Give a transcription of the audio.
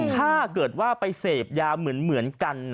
ถ้าเกิดว่าไปเสพยาเหมือนกัน